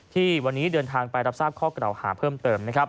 ที่วันนี้เดินทางไปรับทราบข้อกล่าวหาเพิ่มเติม